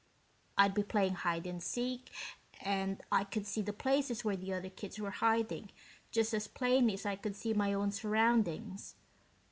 I'd be playing hide and seek, and I could see the places where the other kids were hiding just as plainly as I could see my own surroundings.